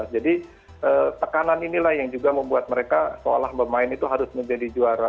jadi tekanan inilah yang juga membuat mereka seolah bermain itu harus menjadi juara